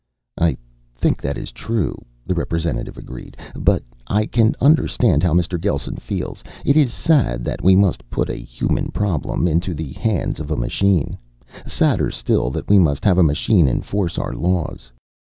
"I think that is true," the representative agreed. "But I can understand how Mr. Gelsen feels. It is sad that we must put a human problem into the hands of a machine, sadder still that we must have a machine enforce our laws.